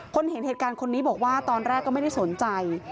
เห็นเหตุการณ์คนนี้บอกว่าตอนแรกก็ไม่ได้สนใจ